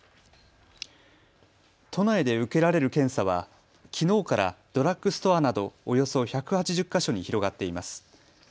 都内で受けられる検査はきのうからドラッグストアなどおよそ１８０か所に広がっています。